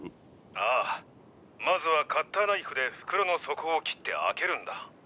あぁまずはカッターナイフで袋の底を切って開けるんだ。